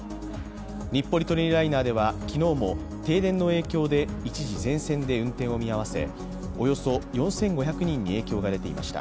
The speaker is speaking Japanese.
日暮里・舎人ライナーでは昨日も停電の影響で一時、全線で運転を見合わせおよそ４５００人に影響が出ていました。